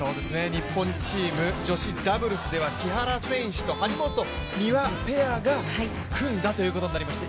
日本チーム、女子ダブルスでは木原選手と張本美和ペアが組んだということになりました。